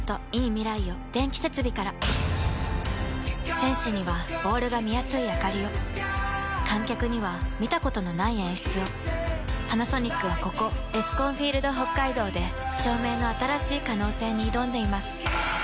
選手にはボールが見やすいあかりを観客には見たことのない演出をパナソニックはここエスコンフィールドＨＯＫＫＡＩＤＯで照明の新しい可能性に挑んでいます